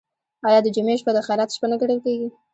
آیا د جمعې شپه د خیرات شپه نه ګڼل کیږي؟